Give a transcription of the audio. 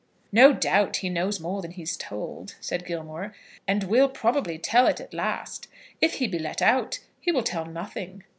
"No doubt, he knows more than he has told," said Gilmore, "and will probably tell it at last. If he be let out, he will tell nothing."